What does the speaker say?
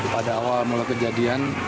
pada awal mulai kejadian